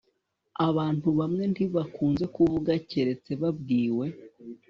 Abantu bamwe ntibakunze kuvuga keretse babwiwe